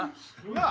なあ？